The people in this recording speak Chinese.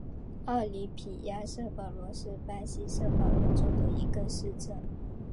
奥林匹亚圣保罗是巴西圣保罗州的一个市镇。